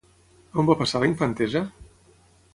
On va passar la infantesa?